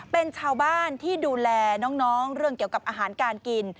เป็นชาวบ้านที่ดูแลน้องเรื่องเกี่ยวกับอาหารการกิน